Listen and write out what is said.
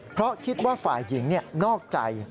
เพราะคิดว่าฝ่ายหญิงนอกใจ